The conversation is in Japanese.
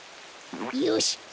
よし！